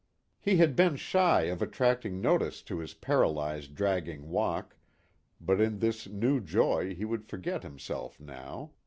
He had been shy of attracting notice to his paralyzed dragging walk, but in this new joy he would forget himself now.